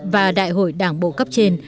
và đại hội đảng bộ cấp trên